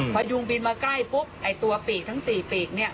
พอยุงบินมาใกล้ปุ๊บตัวปีกทั้ง๔ปีก